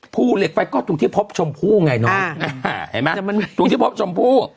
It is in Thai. ภูเหล็กไฟก็ตรงที่พบชมพู่ไงเนอะเห็นไหมตรงที่พบชมพู่